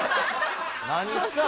何したん？